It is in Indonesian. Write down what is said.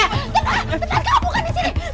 tempat kamu bukan di sini